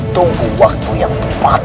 tunggu waktu yang tepat